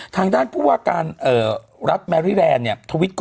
ทางด้านผู้ว่าการรัฐแมรี่แลนด์เนี่ย